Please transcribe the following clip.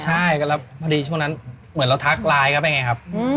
ใช่แล้วพอดีช่วงนั้นเหมือนเราทักไลน์เข้าไปไงครับ